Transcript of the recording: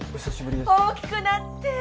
大きくなって！